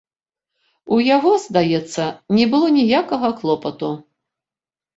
У яго, здаецца, не было ніякага клопату.